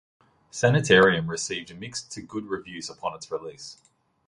"Sanitarium" received mixed to good reviews upon its release.